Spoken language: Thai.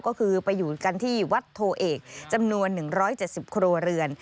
ก็คือไปอยู่กันที่วัดโทเอกจำนวน๑๗๐ครัวเรือน